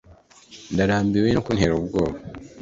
ndarambiwe no kuntera ubwoba